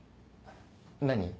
何？